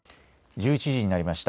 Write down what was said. １１時になりました。